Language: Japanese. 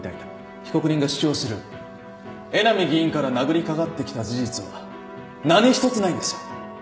被告人が主張する江波議員から殴りかかってきた事実は何一つないんですよ。